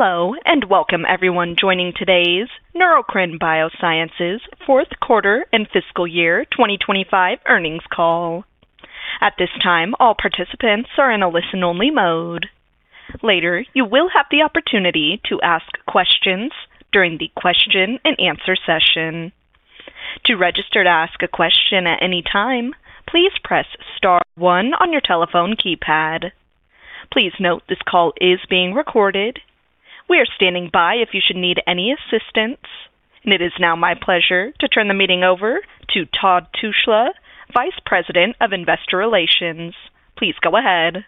Hello and welcome everyone joining today's Neurocrine Biosciences fourth quarter and fiscal year 2025 earnings call. At this time, all participants are in a listen-only mode. Later, you will have the opportunity to ask questions during the question-and-answer session. To register to ask a question at any time, please press star one on your telephone keypad. Please note this call is being recorded. We are standing by if you should need any assistance, and it is now my pleasure to turn the meeting over to Todd Tushla, Vice President of Investor Relations. Please go ahead.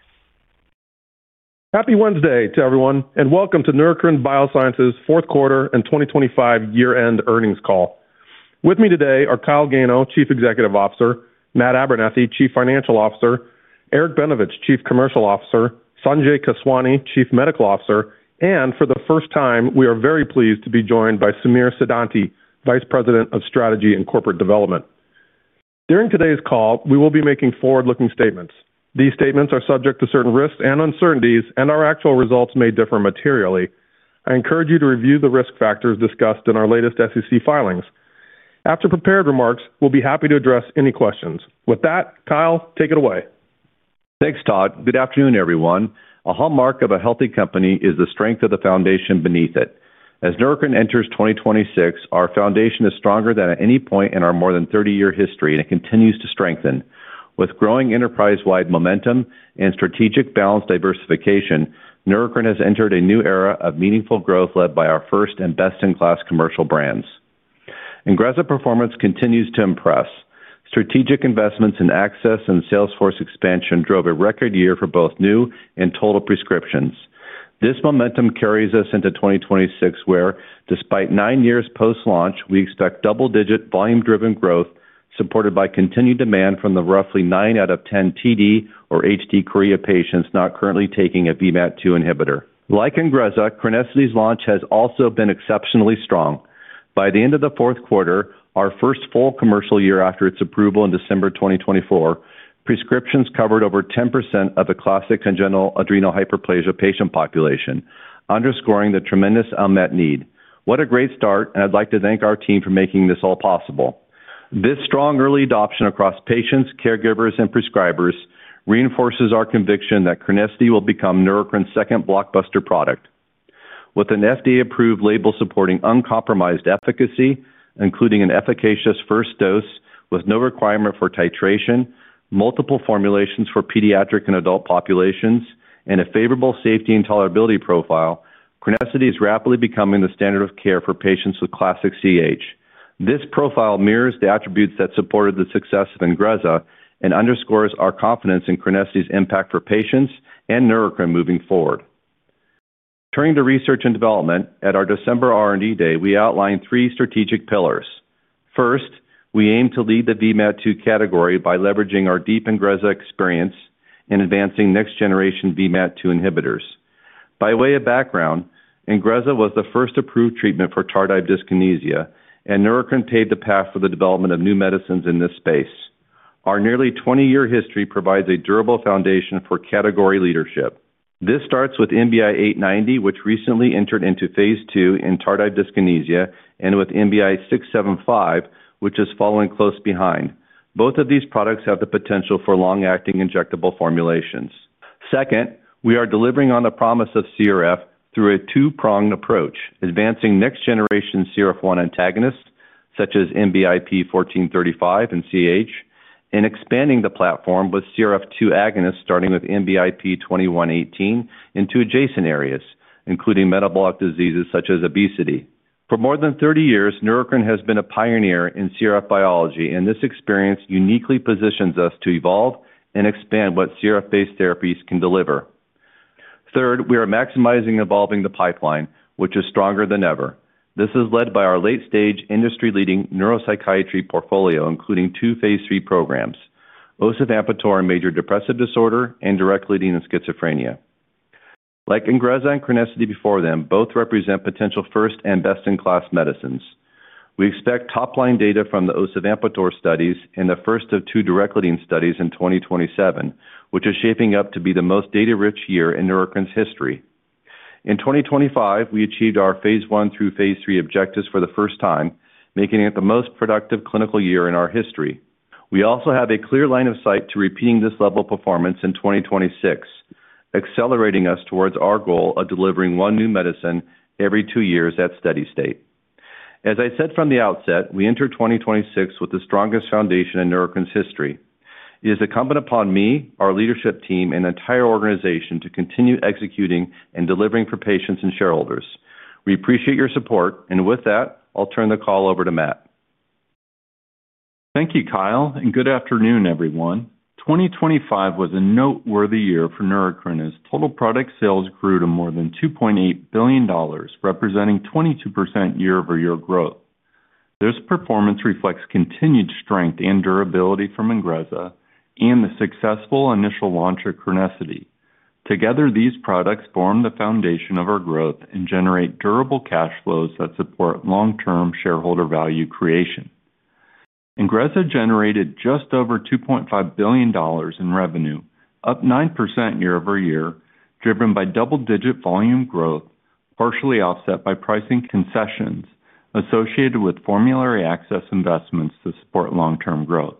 Happy Wednesday to everyone, and welcome to Neurocrine Biosciences fourth quarter and 2025 year-end earnings call. With me today are Kyle Gano, Chief Executive Officer, Matt Abernethy, Chief Financial Officer, Eric Benevich, Chief Commercial Officer, Sanjay Keswani, Chief Medical Officer, and for the first time, we are very pleased to be joined by Samir Siddhanti, Vice President of Strategy and Corporate Development. During today's call, we will be making forward-looking statements. These statements are subject to certain risks and uncertainties, and our actual results may differ materially. I encourage you to review the risk factors discussed in our latest SEC filings. After prepared remarks, we'll be happy to address any questions. With that, Kyle, take it away. Thanks, Todd. Good afternoon, everyone. A hallmark of a healthy company is the strength of the foundation beneath it. As Neurocrine enters 2026, our foundation is stronger than at any point in our more than 30-year history, and it continues to strengthen. With growing enterprise-wide momentum and strategic balanced diversification, Neurocrine has entered a new era of meaningful growth led by our first and best-in-class commercial brands. INGREZZA's performance continues to impress. Strategic investments in access and sales force expansion drove a record year for both new and total prescriptions. This momentum carries us into 2026 where, despite nine years post-launch, we expect double-digit volume-driven growth supported by continued demand from the roughly nine out of 10 TD or HD chorea patients not currently taking a VMAT2 inhibitor. Like INGREZZA, CRENESSITY's launch has also been exceptionally strong. By the end of the fourth quarter, our first full commercial year after its approval in December 2024, prescriptions covered over 10% of the classic congenital adrenal hyperplasia patient population, underscoring the tremendous unmet need. What a great start, and I'd like to thank our team for making this all possible. This strong early adoption across patients, caregivers, and prescribers reinforces our conviction that CRENESSITY will become Neurocrine's second blockbuster product. With an FDA-approved label supporting uncompromised efficacy, including an efficacious first dose with no requirement for titration, multiple formulations for pediatric and adult populations, and a favorable safety and tolerability profile, CRENESSITY is rapidly becoming the standard of care for patients with classic CAH. This profile mirrors the attributes that supported the success of INGREZZA and underscores our confidence in CRENESSITY's impact for patients and Neurocrine moving forward. Turning to research and development, at our December R&D Day, we outlined three strategic pillars. First, we aim to lead the VMAT2 category by leveraging our deep INGREZZA experience in advancing next-generation VMAT2 inhibitors. By way of background, INGREZZA was the first approved treatment for tardive dyskinesia, and Neurocrine paved the path for the development of new medicines in this space. Our nearly 20-year history provides a durable foundation for category leadership. This starts with NBI-890, which recently entered into phase II in tardive dyskinesia, and with NBI-675, which is following close behind. Both of these products have the potential for long-acting injectable formulations. Second, we are delivering on the promise of CRF through a two-pronged approach, advancing next-generation CRF1 antagonists such as NBI-1435 for CAH, and expanding the platform with CRF2 agonists starting with NBI-2118 into adjacent areas, including metabolic diseases such as obesity. For more than 30 years, Neurocrine has been a pioneer in CRF biology, and this experience uniquely positions us to evolve and expand what CRF-based therapies can deliver. Third, we are maximizing evolving the pipeline, which is stronger than ever. This is led by our late-stage, industry-leading neuropsychiatry portfolio, including two phase III programs: osavampator in major depressive disorder and direlotide in schizophrenia. Like INGREZZA and CRENESSITY before them, both represent potential first and best-in-class medicines. We expect top-line data from the osavampator studies and the first of two direlotide studies in 2027, which is shaping up to be the most data-rich year in Neurocrine's history. In 2025, we achieved our phase I through phase III objectives for the first time, making it the most productive clinical year in our history. We also have a clear line of sight to repeating this level of performance in 2026, accelerating us towards our goal of delivering one new medicine every two years at steady state. As I said from the outset, we enter 2026 with the strongest foundation in Neurocrine's history. It is incumbent upon me, our leadership team, and the entire organization to continue executing and delivering for patients and shareholders. We appreciate your support, and with that, I'll turn the call over to Matt. Thank you, Kyle, and good afternoon, everyone. 2025 was a noteworthy year for Neurocrine. Its total product sales grew to more than $2.8 billion, representing 22% year-over-year growth. This performance reflects continued strength and durability from INGREZZA and the successful initial launch of CRENESSITY. Together, these products form the foundation of our growth and generate durable cash flows that support long-term shareholder value creation. INGREZZA generated just over $2.5 billion in revenue, up 9% year-over-year, driven by double-digit volume growth, partially offset by pricing concessions associated with formulary access investments to support long-term growth.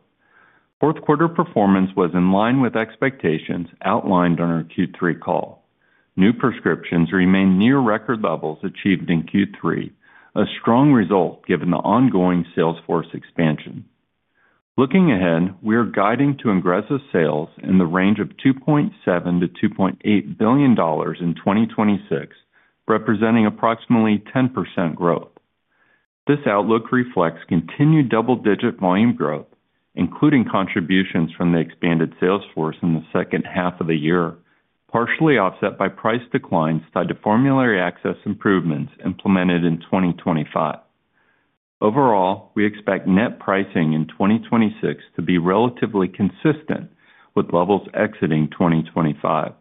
Fourth quarter performance was in line with expectations outlined on our Q3 call. New prescriptions remain near record levels achieved in Q3, a strong result given the ongoing sales force expansion. Looking ahead, we are guiding to INGREZZA sales in the range of $2.7 billion-$2.8 billion in 2026, representing approximately 10% growth. This outlook reflects continued double-digit volume growth, including contributions from the expanded sales force in the second half of the year, partially offset by price declines tied to formulary access improvements implemented in 2025. Overall, we expect net pricing in 2026 to be relatively consistent with levels exiting 2025.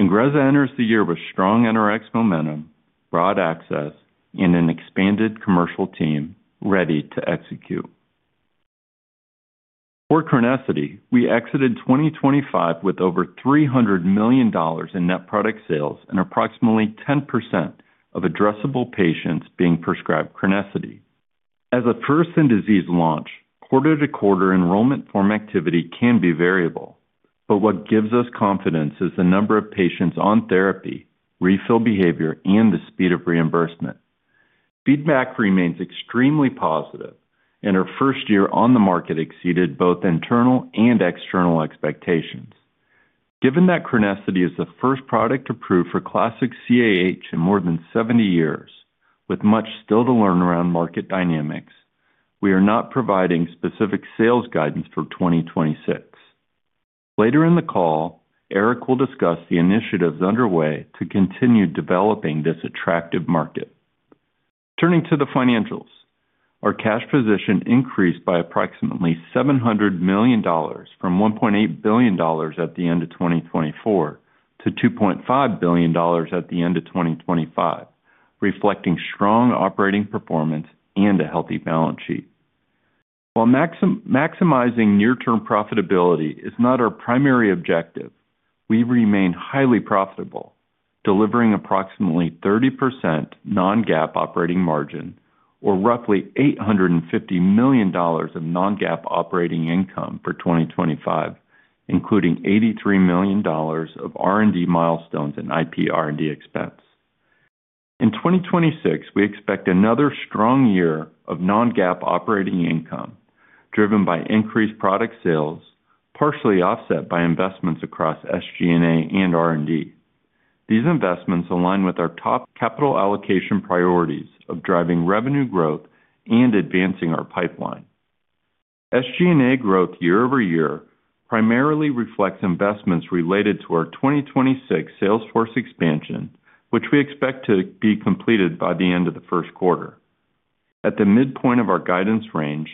INGREZZA enters the year with strong NRX momentum, broad access, and an expanded commercial team ready to execute. For CRENESSITY, we exited 2025 with over $300 million in net product sales and approximately 10% of addressable patients being prescribed CRENESSITY. As a first-in-disease launch, quarter-to-quarter enrollment form activity can be variable, but what gives us confidence is the number of patients on therapy, refill behavior, and the speed of reimbursement. Feedback remains extremely positive, and our first year on the market exceeded both internal and external expectations. Given that CRENESSITY is the first product approved for classic CAH in more than 70 years, with much still to learn around market dynamics, we are not providing specific sales guidance for 2026. Later in the call, Eric will discuss the initiatives underway to continue developing this attractive market. Turning to the financials, our cash position increased by approximately $700 million from $1.8 billion at the end of 2024 to $2.5 billion at the end of 2025, reflecting strong operating performance and a healthy balance sheet. While maximizing near-term profitability is not our primary objective, we remain highly profitable, delivering approximately 30% non-GAAP operating margin or roughly $850 million of non-GAAP operating income for 2025, including $83 million of R&D milestones and IP R&D expense. In 2026, we expect another strong year of non-GAAP operating income driven by increased product sales, partially offset by investments across SG&A and R&D. These investments align with our top capital allocation priorities of driving revenue growth and advancing our pipeline. SG&A growth year-over-year primarily reflects investments related to our 2026 sales force expansion, which we expect to be completed by the end of the first quarter. At the midpoint of our guidance range,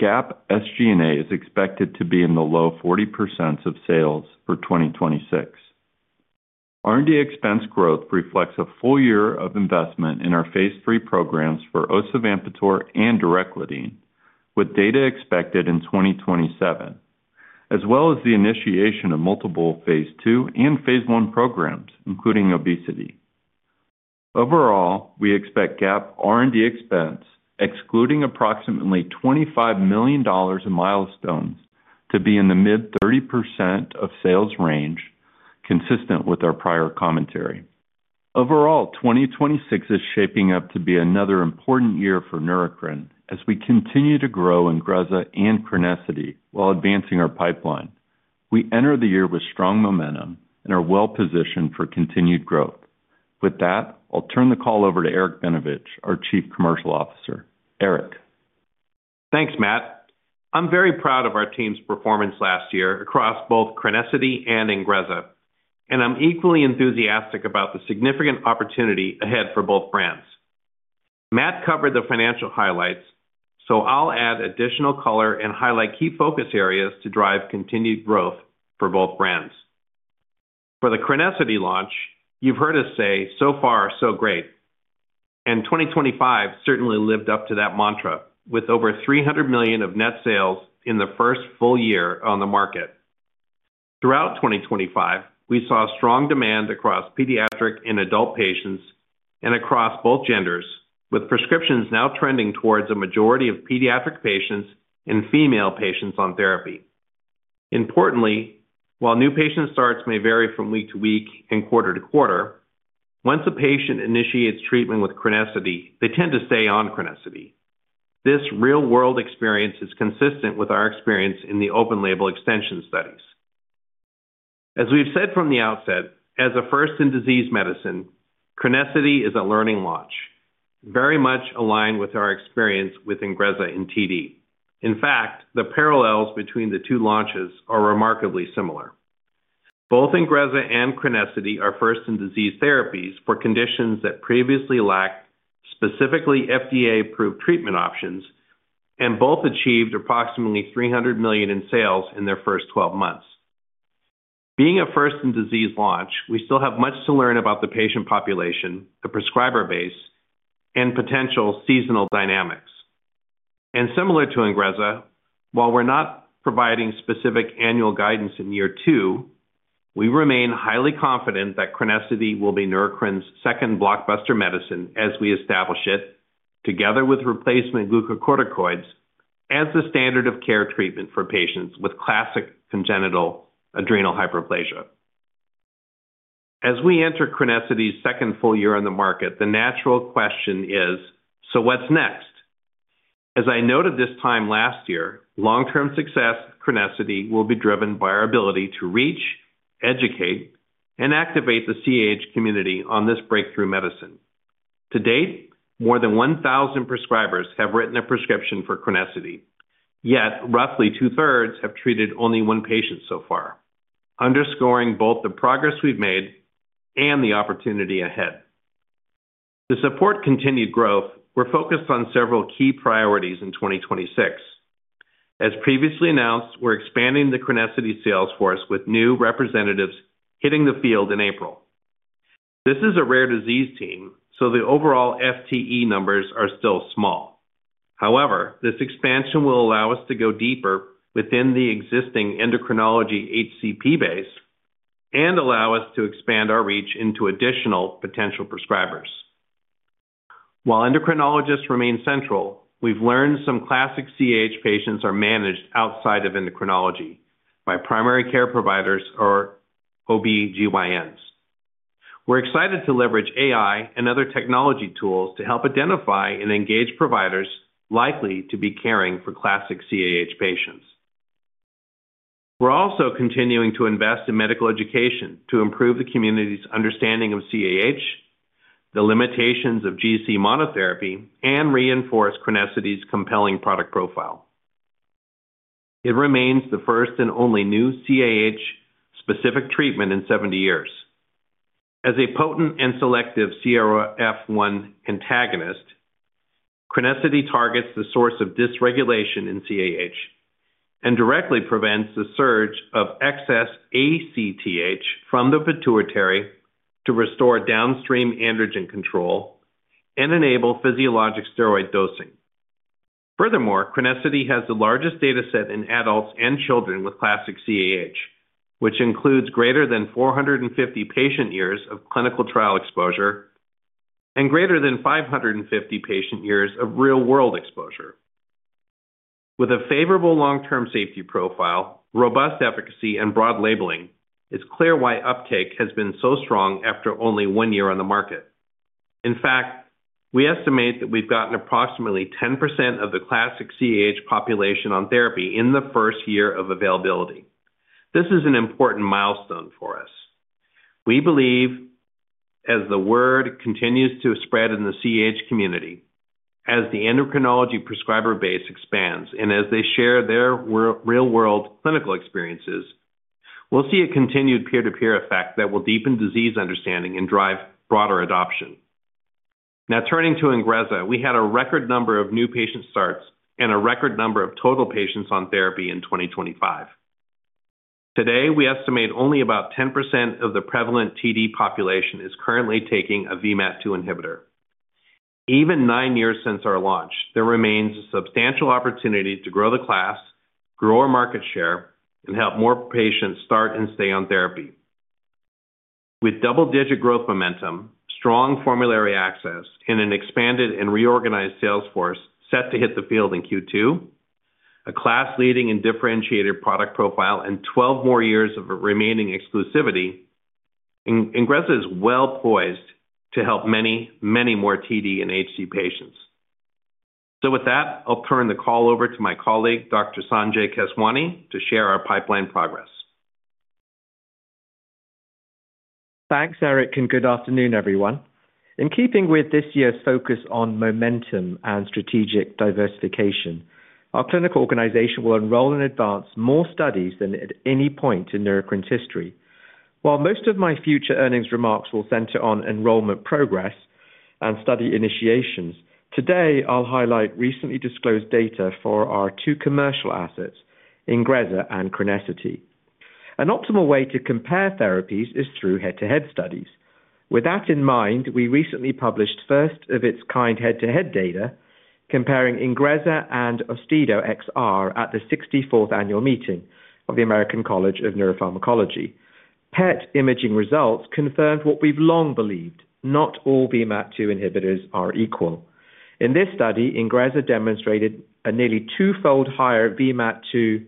GAAP SG&A is expected to be in the low 40% of sales for 2026. R&D expense growth reflects a full year of investment in our phase III programs for osavampator and direlotide, with data expected in 2027, as well as the initiation of multiple phase II and phase I programs, including obesity. Overall, we expect GAAP R&D expense, excluding approximately $25 million in milestones, to be in the mid-30% of sales range, consistent with our prior commentary. Overall, 2026 is shaping up to be another important year for Neurocrine as we continue to grow INGREZZA and CRENESSITY while advancing our pipeline. We enter the year with strong momentum and are well-positioned for continued growth. With that, I'll turn the call over to Eric Benevich, our Chief Commercial Officer. Eric. Thanks, Matt. I'm very proud of our team's performance last year across both CRENESSITY and INGREZZA, and I'm equally enthusiastic about the significant opportunity ahead for both brands. Matt covered the financial highlights, so I'll add additional color and highlight key focus areas to drive continued growth for both brands. For the CRENESSITY launch, you've heard us say, "So far, so great." And 2025 certainly lived up to that mantra, with over $300 million of net sales in the first full year on the market. Throughout 2025, we saw strong demand across pediatric and adult patients and across both genders, with prescriptions now trending towards a majority of pediatric patients and female patients on therapy. Importantly, while new patient starts may vary from week to week and quarter to quarter, once a patient initiates treatment with CRENESSITY, they tend to stay on CRENESSITY. This real-world experience is consistent with our experience in the open-label extension studies. As we've said from the outset, as a first-in-disease medicine, CRENESSITY is a learning launch, very much aligned with our experience with INGREZZA in TD. In fact, the parallels between the two launches are remarkably similar. Both INGREZZA and CRENESSITY are first-in-disease therapies for conditions that previously lacked specifically FDA-approved treatment options, and both achieved approximately $300 million in sales in their first 12 months. Being a first-in-disease launch, we still have much to learn about the patient population, the prescriber base, and potential seasonal dynamics. Similar to INGREZZA, while we're not providing specific annual guidance in year two, we remain highly confident that CRENESSITY will be Neurocrine's second blockbuster medicine as we establish it, together with replacement glucocorticoids, as the standard of care treatment for patients with classic congenital adrenal hyperplasia. As we enter CRENESSITY's second full year on the market, the natural question is, "So what's next?" As I noted this time last year, long-term success at CRENESSITY will be driven by our ability to reach, educate, and activate the CAH community on this breakthrough medicine. To date, more than 1,000 prescribers have written a prescription for CRENESSITY, yet roughly 2/3 have treated only one patient so far, underscoring both the progress we've made and the opportunity ahead. To support continued growth, we're focused on several key priorities in 2026. As previously announced, we're expanding the CRENESSITY sales force with new representatives hitting the field in April. This is a rare disease team, so the overall FTE numbers are still small. However, this expansion will allow us to go deeper within the existing endocrinology HCP base and allow us to expand our reach into additional potential prescribers. While endocrinologists remain central, we've learned some classic CAH patients are managed outside of endocrinology by primary care providers or OB/GYNs. We're excited to leverage AI and other technology tools to help identify and engage providers likely to be caring for classic CAH patients. We're also continuing to invest in medical education to improve the community's understanding of CAH, the limitations of GC monotherapy, and reinforce CRENESSITY's compelling product profile. It remains the first and only new CAH-specific treatment in 70 years. As a potent and selective CRF1 antagonist, CRENESSITY targets the source of dysregulation in CAH and directly prevents the surge of excess ACTH from the pituitary to restore downstream androgen control and enable physiologic steroid dosing. Furthermore, CRENESSITY has the largest dataset in adults and children with classic CAH, which includes greater than 450 patient years of clinical trial exposure and greater than 550 patient years of real-world exposure. With a favorable long-term safety profile, robust efficacy, and broad labeling, it's clear why uptake has been so strong after only one year on the market. In fact, we estimate that we've gotten approximately 10% of the classic CAH population on therapy in the first year of availability. This is an important milestone for us. We believe, as the word continues to spread in the CAH community, as the endocrinology prescriber base expands, and as they share their real-world clinical experiences, we'll see a continued peer-to-peer effect that will deepen disease understanding and drive broader adoption. Now, turning to INGREZZA, we had a record number of new patient starts and a record number of total patients on therapy in 2025. Today, we estimate only about 10% of the prevalent TD population is currently taking a VMAT2 inhibitor. Even nine years since our launch, there remains a substantial opportunity to grow the class, grow our market share, and help more patients start and stay on therapy. With double-digit growth momentum, strong formulary access, and an expanded and reorganized sales force set to hit the field in Q2, a class-leading and differentiated product profile, and 12 more years of remaining exclusivity, INGREZZA is well-poised to help many, many more TD and HD patients. So with that, I'll turn the call over to my colleague, Dr. Sanjay Keswani, to share our pipeline progress. Thanks, Eric, and good afternoon, everyone. In keeping with this year's focus on momentum and strategic diversification, our clinical organization will enroll and advance more studies than at any point in Neurocrine's history. While most of my future earnings remarks will center on enrollment progress and study initiations, today I'll highlight recently disclosed data for our two commercial assets, INGREZZA and CRENESSITY. An optimal way to compare therapies is through head-to-head studies. With that in mind, we recently published first-of-its-kind head-to-head data comparing INGREZZA and Austedo XR at the 64th annual meeting of the American College of Neuropharmacology. PET imaging results confirmed what we've long believed: not all VMAT2 inhibitors are equal. In this study, INGREZZA demonstrated a nearly twofold higher VMAT2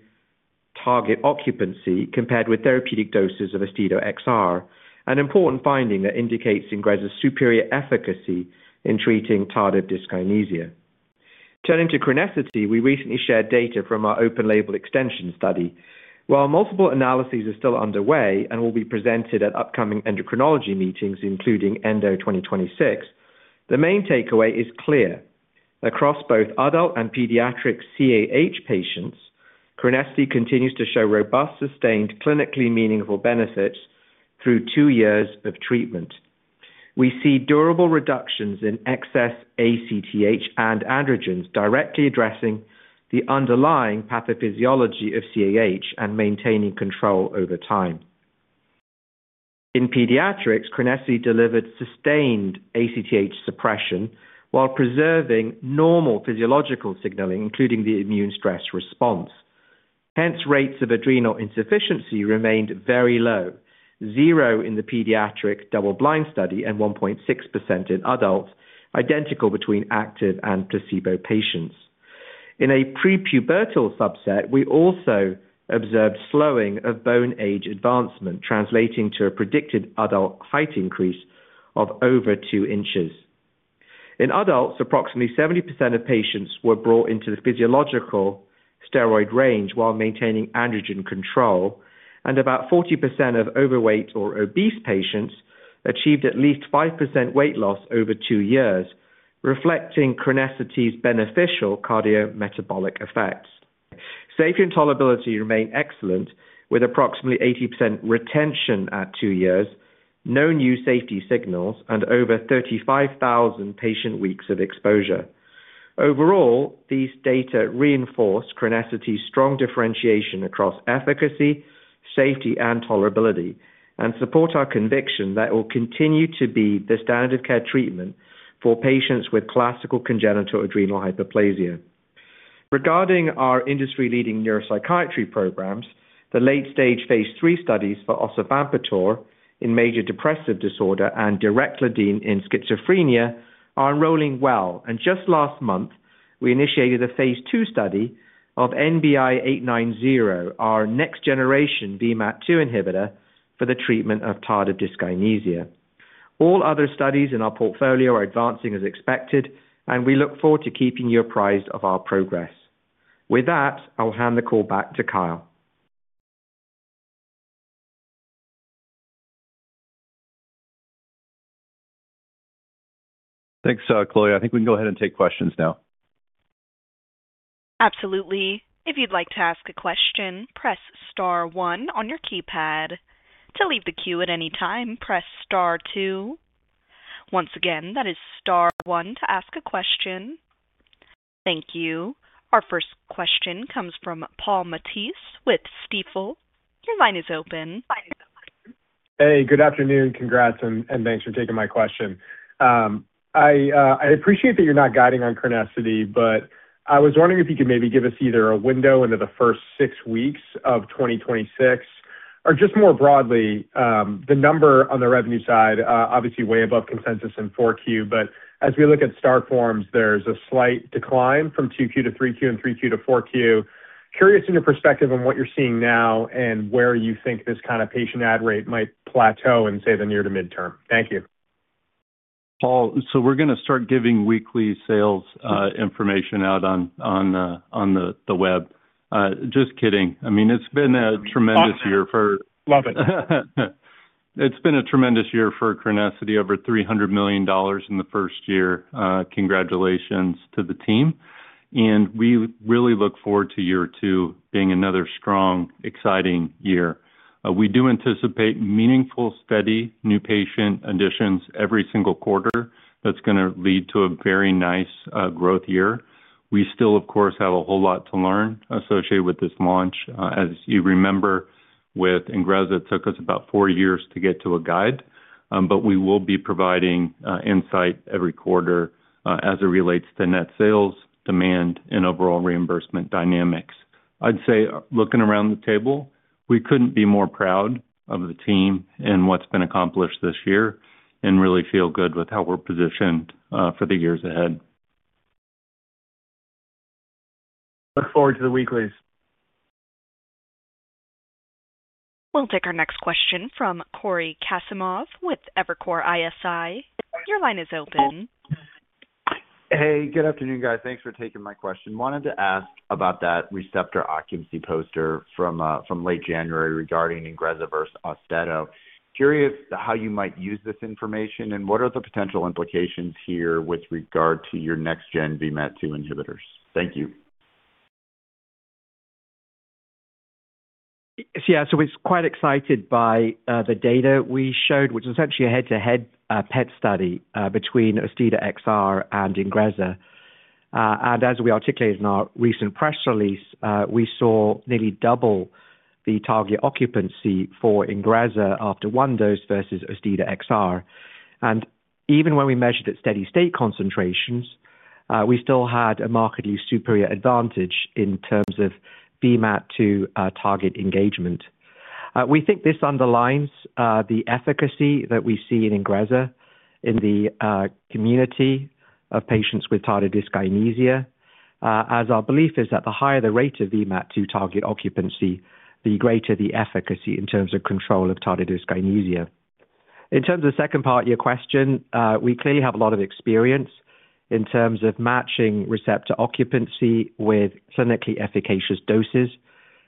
target occupancy compared with therapeutic doses of Austedo XR, an important finding that indicates INGREZZA's superior efficacy in treating tardive dyskinesia. Turning to CRENESSITY, we recently shared data from our open-label extension study. While multiple analyses are still underway and will be presented at upcoming endocrinology meetings, including ENDO 2026, the main takeaway is clear: across both adult and pediatric CAH patients, CRENESSITY continues to show robust, sustained, clinically meaningful benefits through two years of treatment. We see durable reductions in excess ACTH and androgens, directly addressing the underlying pathophysiology of CAH and maintaining control over time. In pediatrics, CRENESSITY delivered sustained ACTH suppression while preserving normal physiological signaling, including the immune stress response. Hence, rates of adrenal insufficiency remained very low: zero in the pediatric double-blind study and 1.6% in adults, identical between active and placebo patients. In a prepubertal subset, we also observed slowing of bone age advancement, translating to a predicted adult height increase of over two inches. In adults, approximately 70% of patients were brought into the physiological steroid range while maintaining androgen control, and about 40% of overweight or obese patients achieved at least 5% weight loss over two years, reflecting CRENESSITY's beneficial cardiometabolic effects. Safety and tolerability remained excellent, with approximately 80% retention at two years, no new safety signals, and over 35,000 patient weeks of exposure. Overall, these data reinforce CRENESSITY's strong differentiation across efficacy, safety, and tolerability, and support our conviction that it will continue to be the standard of care treatment for patients with classical congenital adrenal hyperplasia. Regarding our industry-leading neuropsychiatry programs, the late-stage phase III studies for osavampator in major depressive disorder and direlotide in schizophrenia are enrolling well, and just last month, we initiated a phase II study of NBI-890, our next-generation VMAT2 inhibitor for the treatment of tardive dyskinesia. All other studies in our portfolio are advancing as expected, and we look forward to keeping you apprised of our progress. With that, I'll hand the call back to Kyle. Thanks, Sanjay. I think we can go ahead and take questions now. Absolutely. If you'd like to ask a question, press star one on your keypad. To leave the queue at any time, press star two. Once again, that is star one to ask a question. Thank you. Our first question comes from Paul Matteis with Stifel. Your line is open. Hey, good afternoon. Congrats, and thanks for taking my question. I appreciate that you're not guiding on CRENESSITY, but I was wondering if you could maybe give us either a window into the first six weeks of 2026 or just more broadly, the number on the revenue side, obviously way above consensus in 4Q, but as we look at start forms, there's a slight decline from 2Q to 3Q and 3Q to 4Q. Curious in your perspective on what you're seeing now and where you think this kind of patient ad rate might plateau in, say, the near to midterm. Thank you. Paul, so we're going to start giving weekly sales information out on the web. Just kidding. I mean, it's been a tremendous year for. Love it. It's been a tremendous year for CRENESSITY, over $300 million in the first year. Congratulations to the team. We really look forward to year two being another strong, exciting year. We do anticipate meaningful, steady new patient additions every single quarter. That's going to lead to a very nice growth year. We still, of course, have a whole lot to learn associated with this launch. As you remember, with INGREZZA, it took us about four years to get to a guide, but we will be providing insight every quarter as it relates to net sales, demand, and overall reimbursement dynamics. I'd say looking around the table, we couldn't be more proud of the team and what's been accomplished this year and really feel good with how we're positioned for the years ahead. Look forward to the weeklies. We'll take our next question from Cory Kasimov with Evercore ISI. Your line is open. Hey, good afternoon, guys. Thanks for taking my question. Wanted to ask about that receptor occupancy poster from late January regarding INGREZZA versus Austedo. Curious how you might use this information and what are the potential implications here with regard to your next-gen VMAT2 inhibitors. Thank you. Yeah, so we're quite excited by the data we showed, which is essentially a head-to-head PET study between Austedo XR and INGREZZA. As we articulated in our recent press release, we saw nearly double the target occupancy for INGREZZA after one dose versus Austedo XR. Even when we measured at steady state concentrations, we still had a markedly superior advantage in terms of VMAT2 target engagement. We think this underlines the efficacy that we see in INGREZZA in the community of patients with tardive dyskinesia, as our belief is that the higher the rate of VMAT2 target occupancy, the greater the efficacy in terms of control of tardive dyskinesia. In terms of the second part of your question, we clearly have a lot of experience in terms of matching receptor occupancy with clinically efficacious doses.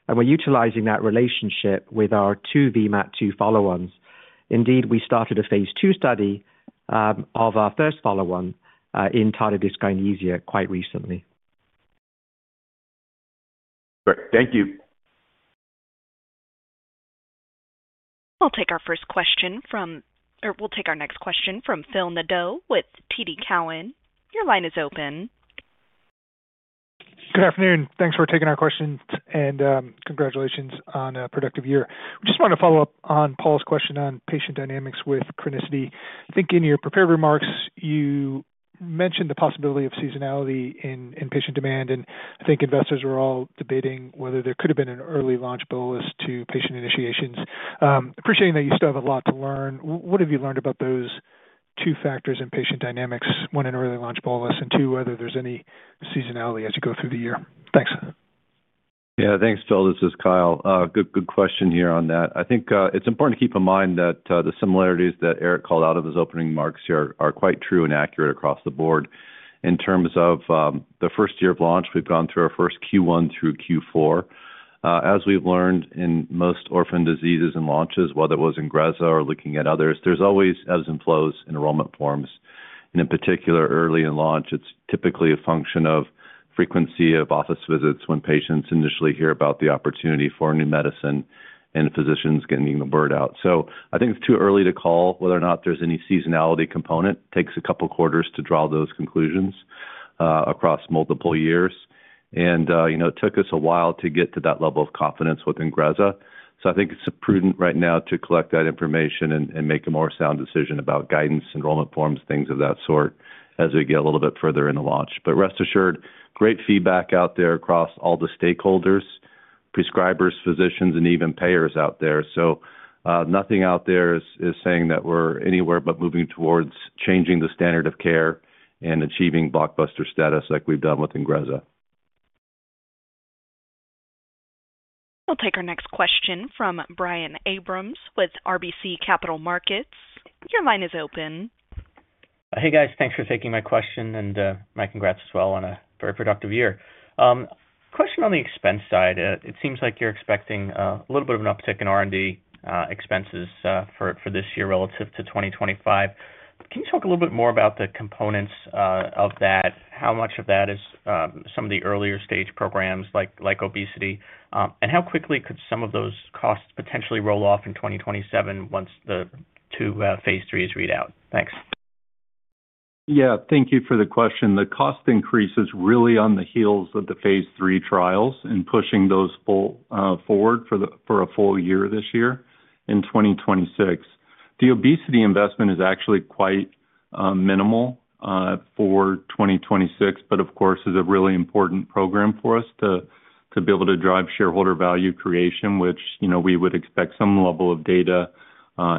We're utilizing that relationship with our two VMAT2 follow-ons. Indeed, we started a phase II study of our first follow-on in tardive dyskinesia quite recently. Great. Thank you. We'll take our next question from Phil Nadeau with TD Cowen. Your line is open. Good afternoon. Thanks for taking our questions, and congratulations on a productive year. We just wanted to follow up on Paul's question on patient dynamics with CRENESSITY. I think in your prepared remarks, you mentioned the possibility of seasonality in patient demand, and I think investors were all debating whether there could have been an early launch bolus to patient initiations. Appreciating that you still have a lot to learn. What have you learned about those two factors in patient dynamics, one, an early launch bolus, and two, whether there's any seasonality as you go through the year? Thanks. Yeah, thanks, Phil. This is Kyle. Good question here on that. I think it's important to keep in mind that the similarities that Eric called out of his opening remarks here are quite true and accurate across the board. In terms of the first year of launch, we've gone through our first Q1 through Q4. As we've learned in most orphan diseases and launches, whether it was INGREZZA or looking at others, there's always ebbs and flows in enrollment forms. And in particular, early in launch, it's typically a function of frequency of office visits when patients initially hear about the opportunity for new medicine and physicians getting the word out. So I think it's too early to call whether or not there's any seasonality component. It takes a couple of quarters to draw those conclusions across multiple years. It took us a while to get to that level of confidence with INGREZZA. I think it's prudent right now to collect that information and make a more sound decision about guidance, enrollment forms, things of that sort as we get a little bit further in the launch. Rest assured, great feedback out there across all the stakeholders, prescribers, physicians, and even payers out there. Nothing out there is saying that we're anywhere but moving towards changing the standard of care and achieving blockbuster status like we've done with INGREZZA. We'll take our next question from Brian Abrahams with RBC Capital Markets. Your line is open. Hey, guys. Thanks for taking my question and my congrats as well on a very productive year. Question on the expense side. It seems like you're expecting a little bit of an uptick in R&D expenses for this year relative to 2025. Can you talk a little bit more about the components of that? How much of that is some of the earlier stage programs like obesity? And how quickly could some of those costs potentially roll off in 2027 once the two phase III is read out? Thanks. Yeah, thank you for the question. The cost increase is really on the heels of the phase III trials and pushing those forward for a full year this year in 2026. The obesity investment is actually quite minimal for 2026, but of course, is a really important program for us to be able to drive shareholder value creation, which we would expect some level of data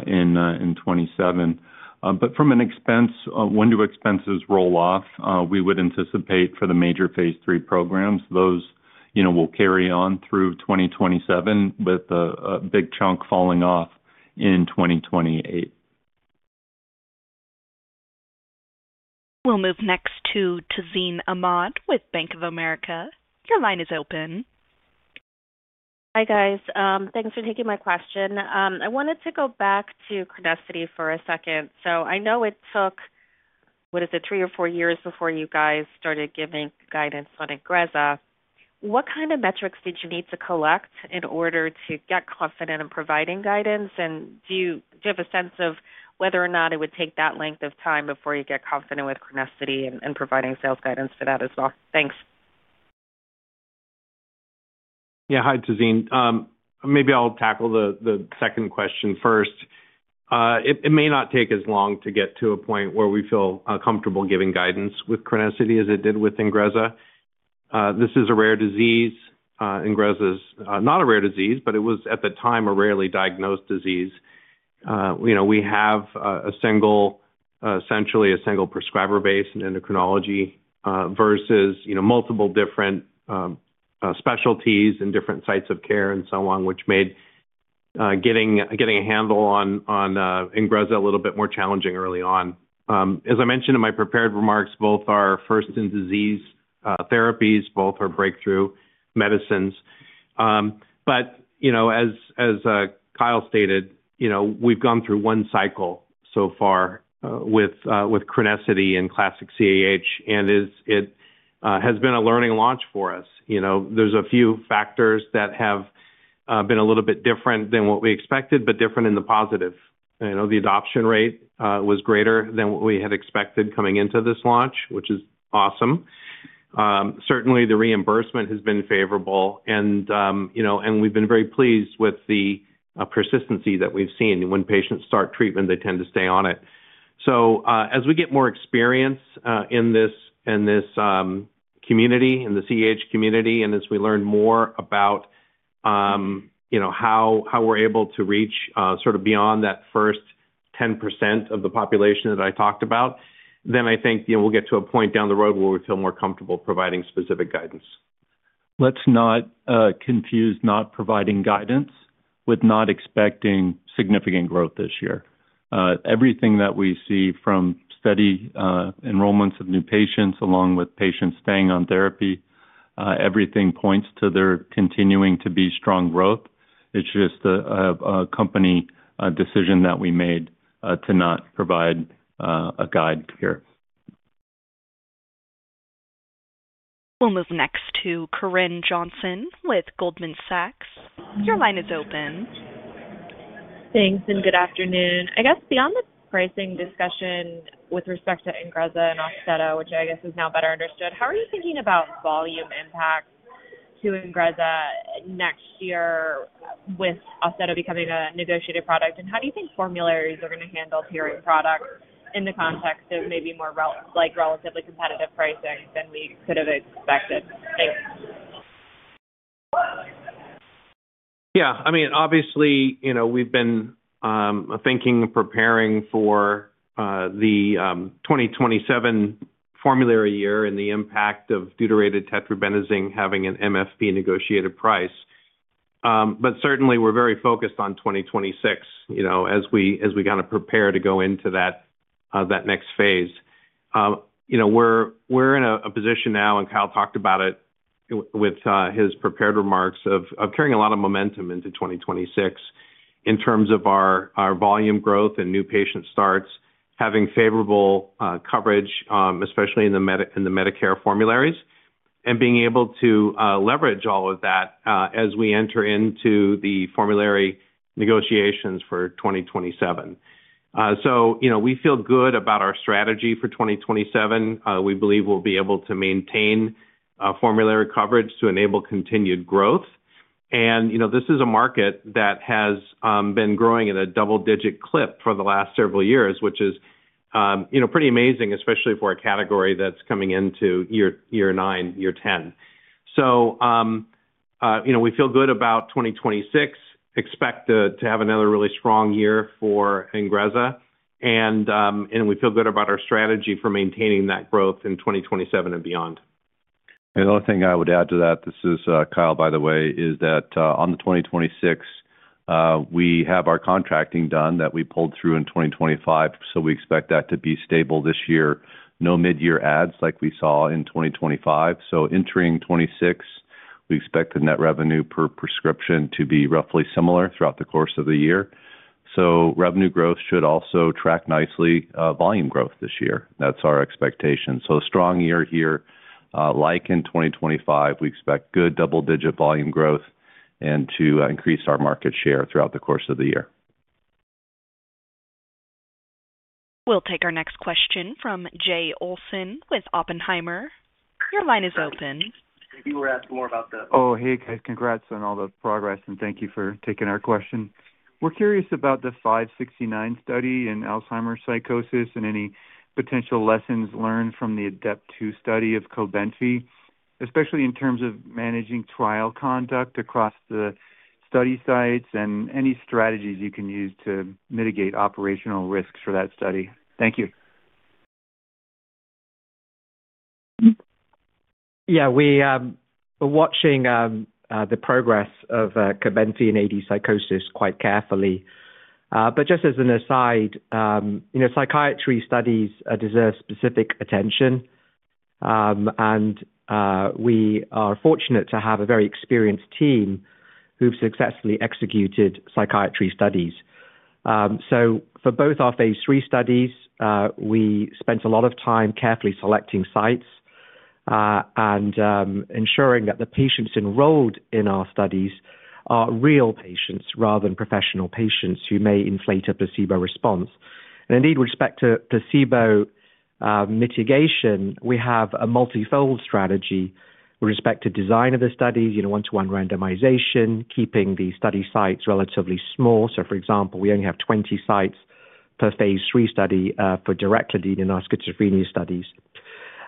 in 2027. But from an expense, when do expenses roll off? We would anticipate for the major phase III programs, those will carry on through 2027 with a big chunk falling off in 2028. We'll move next to Tazeen Ahmad with Bank of America. Your line is open. Hi, guys. Thanks for taking my question. I wanted to go back to CRENESSITY for a second. I know it took, what is it, three or four years before you guys started giving guidance on INGREZZA. What kind of metrics did you need to collect in order to get confident in providing guidance? And do you have a sense of whether or not it would take that length of time before you get confident with CRENESSITY and providing sales guidance for that as well? Thanks. Yeah, hi, Tazeen. Maybe I'll tackle the second question first. It may not take as long to get to a point where we feel comfortable giving guidance with CRENESSITY as it did with INGREZZA. This is a rare disease. INGREZZA is not a rare disease, but it was, at the time, a rarely diagnosed disease. We have essentially a single prescriber base in endocrinology versus multiple different specialties in different sites of care and so on, which made getting a handle on INGREZZA a little bit more challenging early on. As I mentioned in my prepared remarks, both are first-in-disease therapies, both are breakthrough medicines. But as Kyle stated, we've gone through one cycle so far with CRENESSITY and classic CAH, and it has been a learning launch for us. There's a few factors that have been a little bit different than what we expected, but different in the positive. The adoption rate was greater than what we had expected coming into this launch, which is awesome. Certainly, the reimbursement has been favorable, and we've been very pleased with the persistency that we've seen. When patients start treatment, they tend to stay on it. So as we get more experience in this community, in the CAH community, and as we learn more about how we're able to reach sort of beyond that first 10% of the population that I talked about, then I think we'll get to a point down the road where we feel more comfortable providing specific guidance. Let's not confuse not providing guidance with not expecting significant growth this year. Everything that we see from steady enrollments of new patients along with patients staying on therapy, everything points to there continuing to be strong growth. It's just a company decision that we made to not provide a guide here. We'll move next to Corinne Johnson with Goldman Sachs. Your line is open. Thanks and good afternoon. I guess beyond the pricing discussion with respect to INGREZZA and Austedo, which I guess is now better understood, how are you thinking about volume impact to INGREZZA next year with Austedo becoming a negotiated product? And how do you think formularies are going to handle peer products in the context of maybe more relatively competitive pricing than we could have expected? Thanks. Yeah, I mean, obviously, we've been thinking and preparing for the 2027 formulary year and the impact of deutetrabenazine having an MFP negotiated price. But certainly, we're very focused on 2026 as we kind of prepare to go into that next phase. We're in a position now, and Kyle talked about it with his prepared remarks, of carrying a lot of momentum into 2026 in terms of our volume growth and new patient starts, having favorable coverage, especially in the Medicare formularies, and being able to leverage all of that as we enter into the formulary negotiations for 2027. So we feel good about our strategy for 2027. We believe we'll be able to maintain formulary coverage to enable continued growth. This is a market that has been growing at a double-digit clip for the last several years, which is pretty amazing, especially for a category that's coming into year nine, year 10. So we feel good about 2026, expect to have another really strong year for INGREZZA, and we feel good about our strategy for maintaining that growth in 2027 and beyond. The other thing I would add to that - this is Kyle, by the way - is that on the 2026, we have our contracting done that we pulled through in 2025, so we expect that to be stable this year. No mid-year adds like we saw in 2025. So entering 2026, we expect the net revenue per prescription to be roughly similar throughout the course of the year. So revenue growth should also track nicely volume growth this year. That's our expectation. So a strong year here like in 2025. We expect good double-digit volume growth and to increase our market share throughout the course of the year. We'll take our next question from Jay Olson with Oppenheimer. Your line is open. Thank you. We were asking more about the. Oh, hey, guys. Congrats on all the progress, and thank you for taking our question. We're curious about the NBI-568 study and Alzheimer's psychosis and any potential lessons learned from the Adept-2 study of Cobenfy, especially in terms of managing trial conduct across the study sites and any strategies you can use to mitigate operational risks for that study. Thank you. Yeah, we're watching the progress of Cobenfy and AD psychosis quite carefully. But just as an aside, psychiatry studies deserve specific attention, and we are fortunate to have a very experienced team who've successfully executed psychiatry studies. So for both our phase III studies, we spent a lot of time carefully selecting sites and ensuring that the patients enrolled in our studies are real patients rather than professional patients who may inflate a placebo response. And indeed, with respect to placebo mitigation, we have a multifold strategy with respect to design of the studies, one-to-one randomization, keeping the study sites relatively small. So, for example, we only have 20 sites per phase III study for direlotide in our schizophrenia studies.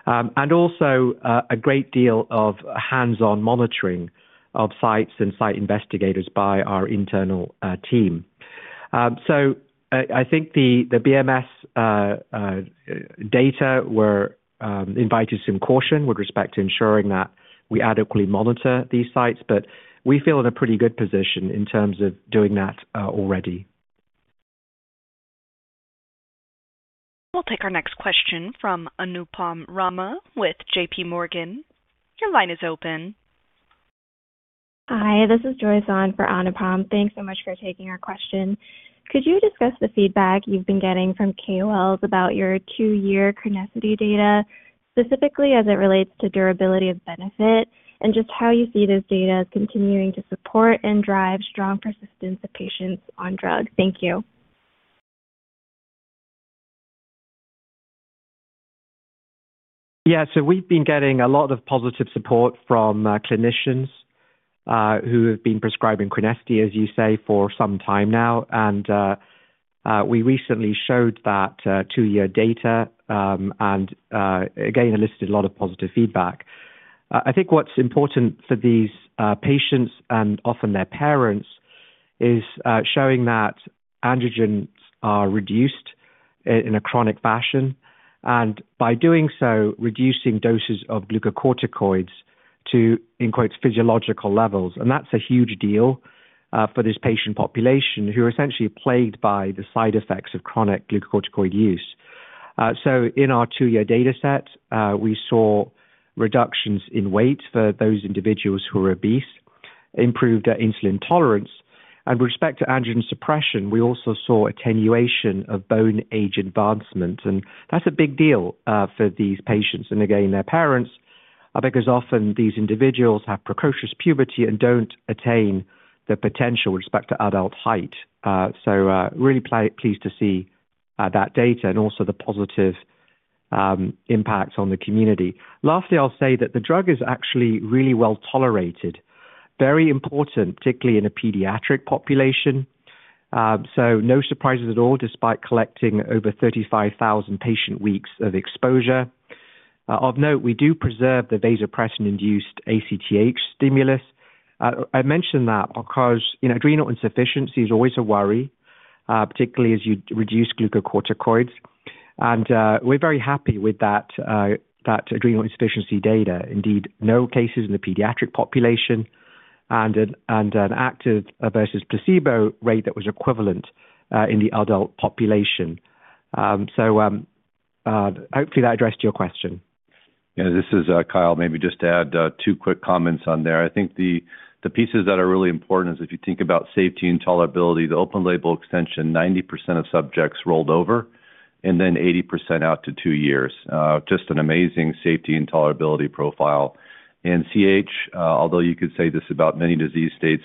And also a great deal of hands-on monitoring of sites and site investigators by our internal team. I think the BMS data have warranted some caution with respect to ensuring that we adequately monitor these sites, but we feel in a pretty good position in terms of doing that already. We'll take our next question from Anupam Rama with JPMorgan. Your line is open. Hi, this is Joyce Shao for Anupam. Thanks so much for taking our question. Could you discuss the feedback you've been getting from KOLs about your two-year CRENESSITY data, specifically as it relates to durability of benefit, and just how you see this data continuing to support and drive strong persistence of patients on drugs? Thank you. Yeah, so we've been getting a lot of positive support from clinicians who have been prescribing CRENESSITY, as you say, for some time now. And we recently showed that two-year data and, again, elicited a lot of positive feedback. I think what's important for these patients and often their parents is showing that androgens are reduced in a chronic fashion and by doing so, reducing doses of glucocorticoids to "physiological levels." And that's a huge deal for this patient population who are essentially plagued by the side effects of chronic glucocorticoid use. So in our two-year dataset, we saw reductions in weight for those individuals who are obese, improved insulin tolerance. And with respect to androgen suppression, we also saw attenuation of bone age advancement. And that's a big deal for these patients and, again, their parents because often these individuals have precocious puberty and don't attain the potential with respect to adult height. So really pleased to see that data and also the positive impact on the community. Lastly, I'll say that the drug is actually really well-tolerated, very important, particularly in a pediatric population. So no surprises at all despite collecting over 35,000 patient weeks of exposure. Of note, we do preserve the vasopressin-induced ACTH stimulus. I mentioned that because adrenal insufficiency is always a worry, particularly as you reduce glucocorticoids. And we're very happy with that adrenal insufficiency data. Indeed, no cases in the pediatric population and an active versus placebo rate that was equivalent in the adult population. So hopefully, that addressed your question. Yeah, this is Kyle. Maybe just add two quick comments on there. I think the pieces that are really important is if you think about safety and tolerability, the open-label extension, 90% of subjects rolled over and then 80% out to two years. Just an amazing safety and tolerability profile. And CH, although you could say this about many disease states,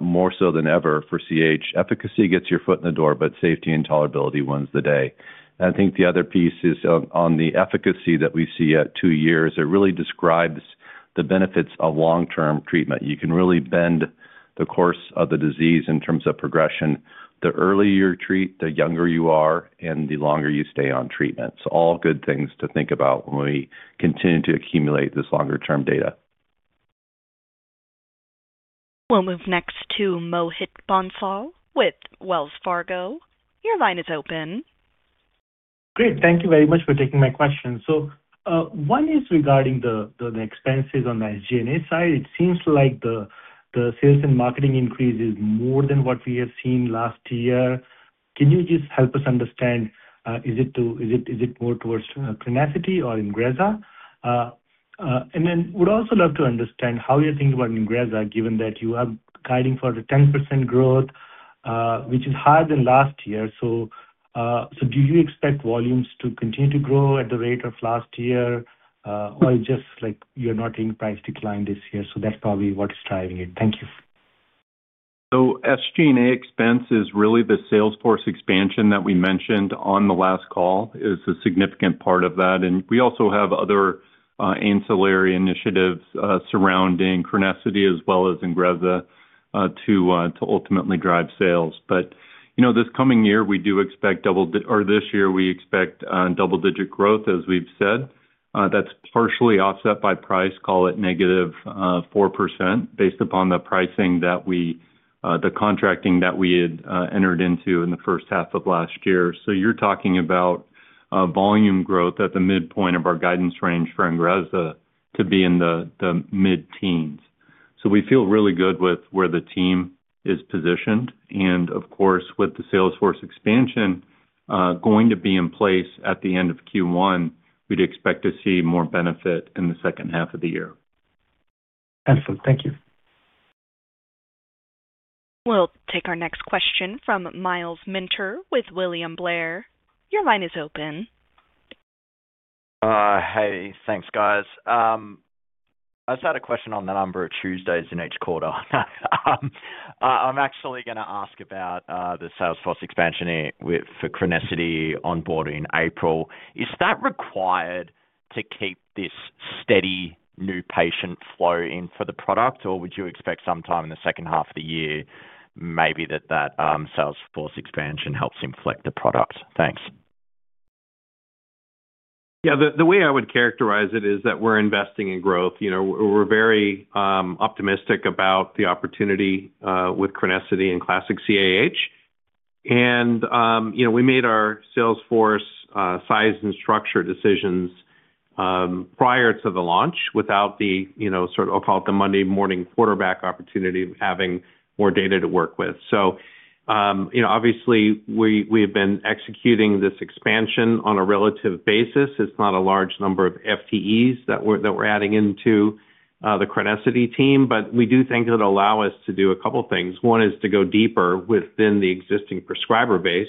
more so than ever for CH, efficacy gets your foot in the door, but safety and tolerability wins the day. And I think the other piece is on the efficacy that we see at two years. It really describes the benefits of long-term treatment. You can really bend the course of the disease in terms of progression. The earlier you treat, the younger you are, and the longer you stay on treatment. So all good things to think about when we continue to accumulate this longer-term data. We'll move next to Mohit Bansal with Wells Fargo. Your line is open. Great. Thank you very much for taking my question. So one is regarding the expenses on the SG&A side. It seems like the sales and marketing increase is more than what we have seen last year. Can you just help us understand, is it more towards CRENESSITY or INGREZZA? And then would also love to understand how you're thinking about INGREZZA given that you are guiding for a 10% growth, which is higher than last year. So do you expect volumes to continue to grow at the rate of last year, or it's just like you're not seeing price decline this year? So that's probably what's driving it. Thank you. SG&A expense is really the sales force expansion that we mentioned on the last call is a significant part of that. We also have other ancillary initiatives surrounding CRENESSITY as well as INGREZZA to ultimately drive sales. But this coming year, we do expect double or this year, we expect double-digit growth, as we've said. That's partially offset by price, call it negative 4%, based upon the pricing that we the contracting that we had entered into in the first half of last year. So you're talking about volume growth at the midpoint of our guidance range for INGREZZA to be in the mid-teens. So we feel really good with where the team is positioned. And of course, with the sales force expansion going to be in place at the end of Q1, we'd expect to see more benefit in the second half of the year. Excellent. Thank you. We'll take our next question from Miles Minter with William Blair. Your line is open. Hey, thanks, guys. I just had a question on the number of Tuesdays in each quarter. I'm actually going to ask about the sales force expansion for CRENESSITY onboarding in April. Is that required to keep this steady new patient flow in for the product, or would you expect sometime in the second half of the year, maybe that that sales force expansion helps inflect the product? Thanks. Yeah, the way I would characterize it is that we're investing in growth. We're very optimistic about the opportunity with CRENESSITY and Classic CAH. And we made our sales force size and structure decisions prior to the launch without the sort of I'll call it the Monday morning quarterback opportunity of having more data to work with. So obviously, we have been executing this expansion on a relative basis. It's not a large number of FTEs that we're adding into the CRENESSITY team, but we do think it'll allow us to do a couple of things. One is to go deeper within the existing prescriber base.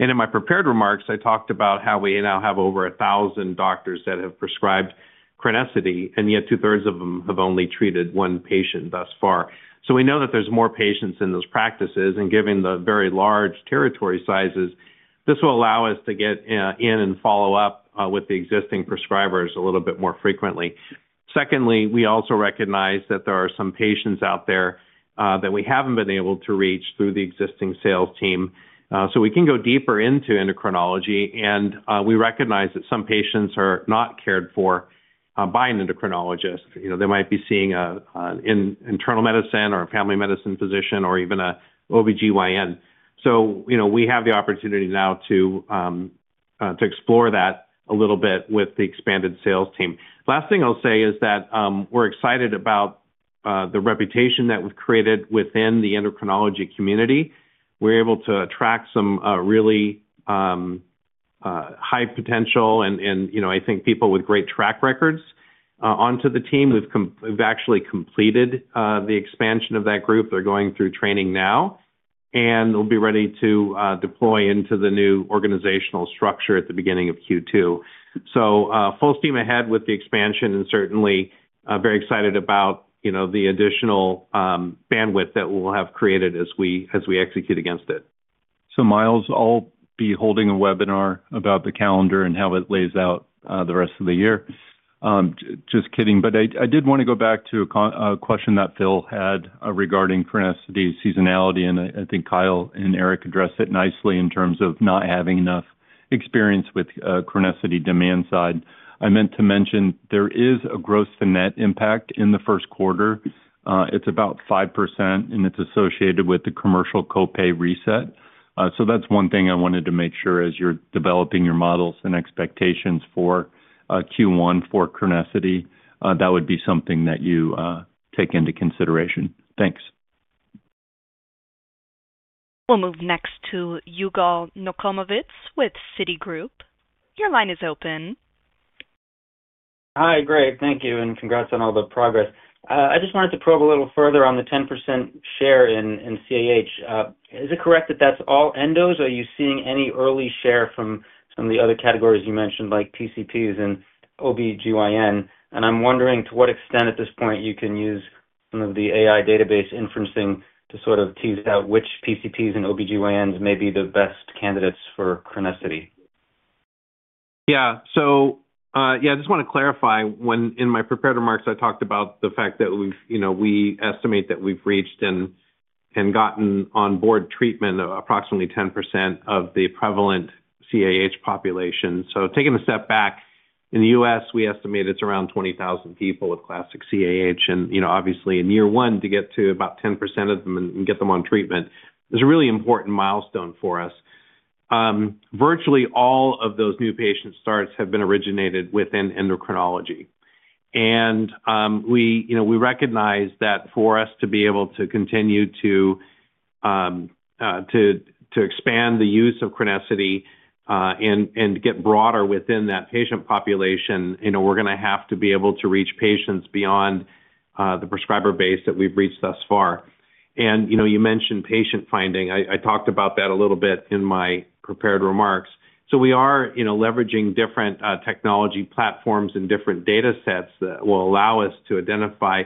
And in my prepared remarks, I talked about how we now have over 1,000 doctors that have prescribed CRENESSITY, and yet 2/3 of them have only treated one patient thus far. So we know that there's more patients in those practices. Given the very large territory sizes, this will allow us to get in and follow up with the existing prescribers a little bit more frequently. Secondly, we also recognize that there are some patients out there that we haven't been able to reach through the existing sales team. So we can go deeper into endocrinology, and we recognize that some patients are not cared for by an endocrinologist. They might be seeing an internal medicine or a family medicine physician or even an OB/GYN. So we have the opportunity now to explore that a little bit with the expanded sales team. Last thing I'll say is that we're excited about the reputation that we've created within the endocrinology community. We're able to attract some really high potential, and I think people with great track records, onto the team. We've actually completed the expansion of that group. They're going through training now, and they'll be ready to deploy into the new organizational structure at the beginning of Q2. So full steam ahead with the expansion and certainly very excited about the additional bandwidth that we'll have created as we execute against it. So Miles will be holding a webinar about the calendar and how it lays out the rest of the year. Just kidding. But I did want to go back to a question that Phil had regarding CRENESSITY's seasonality, and I think Kyle and Eric addressed it nicely in terms of not having enough experience with CRENESSITY demand side. I meant to mention there is a gross-to-net impact in the first quarter. It's about 5%, and it's associated with the commercial copay reset. So that's one thing I wanted to make sure as you're developing your models and expectations for Q1 for CRENESSITY. That would be something that you take into consideration. Thanks. We'll move next to Yigal Nochomovitz with Citigroup. Your line is open. Hi, great. Thank you. And congrats on all the progress. I just wanted to probe a little further on the 10% share in CAH. Is it correct that that's all endos? Are you seeing any early share from some of the other categories you mentioned, like PCPs and OB/GYN? And I'm wondering to what extent at this point you can use some of the AI database inferencing to sort of tease out which PCPs and OB/GYNs may be the best candidates for CRENESSITY. Yeah. So yeah, I just want to clarify. In my prepared remarks, I talked about the fact that we estimate that we've reached and gotten onboard treatment approximately 10% of the prevalent CAH population. So taking a step back, in the U.S., we estimate it's around 20,000 people with Classic CAH. And obviously, in year one, to get to about 10% of them and get them on treatment is a really important milestone for us. Virtually all of those new patient starts have been originated within endocrinology. And we recognize that for us to be able to continue to expand the use of CRENESSITY and get broader within that patient population, we're going to have to be able to reach patients beyond the prescriber base that we've reached thus far. And you mentioned patient finding. I talked about that a little bit in my prepared remarks. So we are leveraging different technology platforms and different datasets that will allow us to identify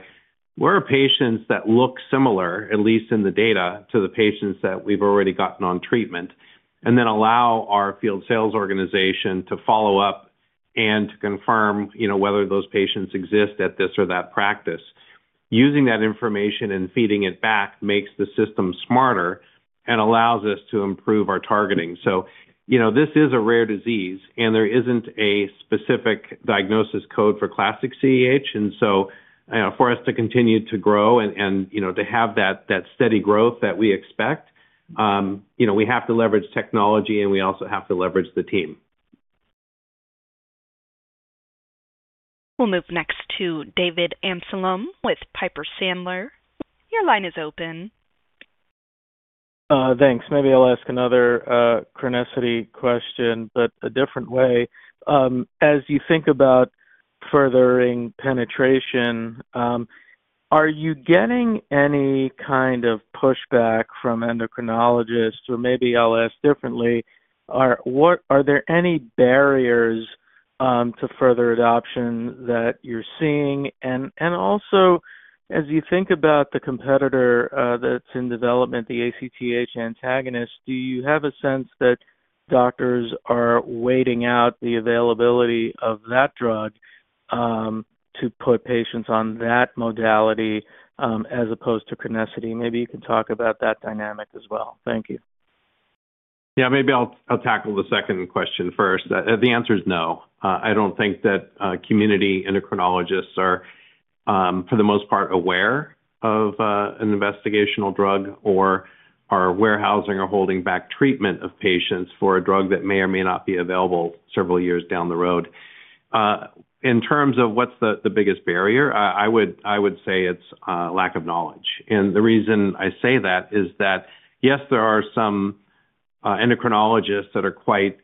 where are patients that look similar, at least in the data, to the patients that we've already gotten on treatment and then allow our field sales organization to follow up and to confirm whether those patients exist at this or that practice. Using that information and feeding it back makes the system smarter and allows us to improve our targeting. So this is a rare disease, and there isn't a specific diagnosis code for Classic CAH. And so for us to continue to grow and to have that steady growth that we expect, we have to leverage technology, and we also have to leverage the team. We'll move next to David Amsellem with Piper Sandler. Your line is open. Thanks. Maybe I'll ask another CRENESSITY question, but a different way. As you think about furthering penetration, are you getting any kind of pushback from endocrinologists? Or maybe I'll ask differently. Are there any barriers to further adoption that you're seeing? And also, as you think about the competitor that's in development, the ACTH antagonist, do you have a sense that doctors are waiting out the availability of that drug to put patients on that modality as opposed to CRENESSITY? Maybe you can talk about that dynamic as well. Thank you. Yeah, maybe I'll tackle the second question first. The answer is no. I don't think that community endocrinologists are, for the most part, aware of an investigational drug or are warehousing or holding back treatment of patients for a drug that may or may not be available several years down the road. In terms of what's the biggest barrier, I would say it's lack of knowledge. The reason I say that is that, yes, there are some endocrinologists that are quite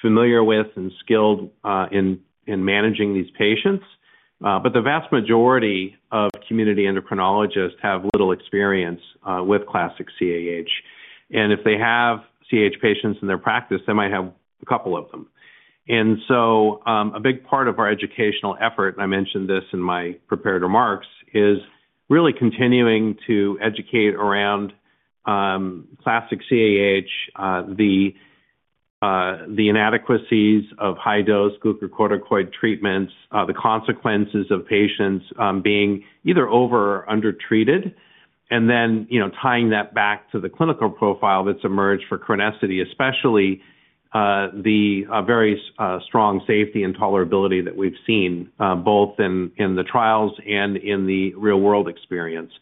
familiar with and skilled in managing these patients, but the vast majority of community endocrinologists have little experience with Classic CAH. If they have CAH patients in their practice, they might have a couple of them. And so a big part of our educational effort, and I mentioned this in my prepared remarks, is really continuing to educate around Classic CAH, the inadequacies of high-dose glucocorticoid treatments, the consequences of patients being either over or undertreated, and then tying that back to the clinical profile that's emerged for CRENESSITY, especially the very strong safety and tolerability that we've seen both in the trials and in the real-world experience.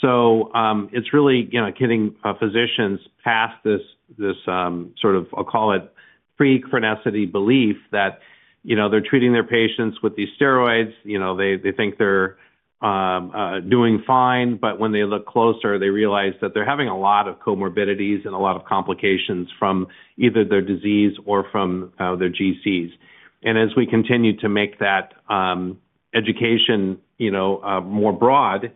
So it's really getting physicians past this sort of, I'll call it, pre-CRENESSITY belief that they're treating their patients with these steroids. They think they're doing fine, but when they look closer, they realize that they're having a lot of comorbidities and a lot of complications from either their disease or from their GCs. As we continue to make that education more broad,